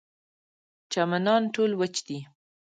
چمنان ټول وچ دي.